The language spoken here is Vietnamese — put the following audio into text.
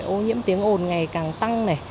ô nhiễm tiếng ồn ngày càng tăng